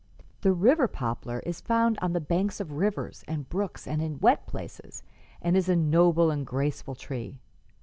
"The river poplaris found on the banks of rivers and brooks and in wet places, and is a noble and graceful tree.